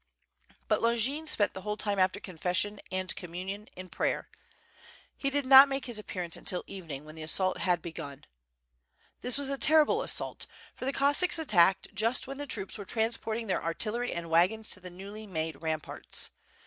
But Longin spent the whole time after confession and communion^ in prayer. He did not make his appearance until evening, when the assault had begun. This was a terrible assault, for the Cossacks attacked just when the troops were transporting their artillery and wagons to the newly made ramparts.